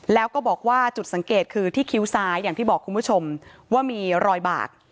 แล้วก็บอกว่าจุดสังเกตคือที่คิ้วซ้ายอย่างที่บอกคุณผู้ชมว่ามีรอยบาก